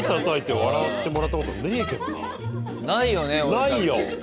ないよ！